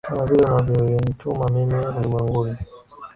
Kama vile ulivyonituma mimi ulimwenguni